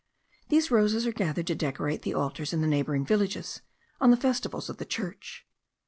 These roses are gathered to decorate the altars in the neighbouring villages on the festivals of the church.